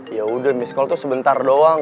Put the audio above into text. yaudah miss call tuh sebentar doang